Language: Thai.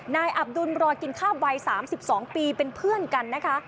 นายอับดุลรอยกินคราบวัยสามสิบสองปีเป็นเพื่อนกันนะคะ